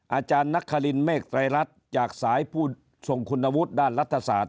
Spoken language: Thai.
อาจารย์นักคลินเมฆไตรรัฐจากสายผู้ทรงคุณวุฒิด้านรัฐศาสตร์